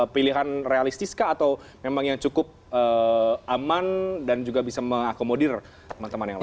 pilihan realistis kah atau memang yang cukup aman dan juga bisa mengakomodir teman teman yang lain